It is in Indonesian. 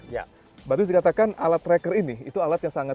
berarti dikatakan alat tracker ini itu alat yang sangat